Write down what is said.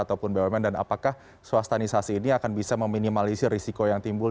ataupun bumn dan apakah swastanisasi ini akan bisa meminimalisir risiko yang timbul